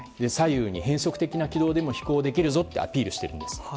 左右に変則的な軌道でも飛行できるぞとアピールしているんです。